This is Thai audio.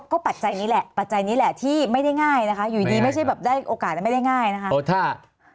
ก็ปัจจัยนี้แหละปัจจัยนี้แหละที่ไม่ได้ง่ายนะคะอยู่ดีไม่ใช่แบบได้โอกาสไม่ได้ง่ายนะคะ